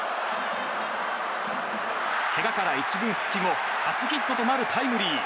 けがから１軍復帰後初ヒットとなるタイムリー。